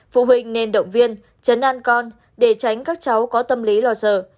phụ huynh nên động viên chấn an con để tránh các cháu có tâm lý lo sợ